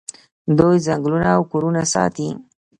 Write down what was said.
دوی ځنګلونه او کورونه ساتي.